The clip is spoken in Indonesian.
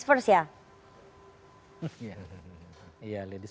sebelumnya sapa perubahan